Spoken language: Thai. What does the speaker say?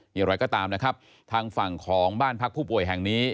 อย่างไรก็ตามนะครับทางฝั่งของบ้านพักผู้ป่วยแห่งนี้